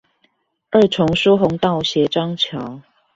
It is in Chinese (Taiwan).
二重疏洪道斜張橋